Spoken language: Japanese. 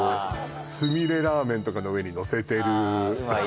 すみれラーメンとかの上にのせてるああ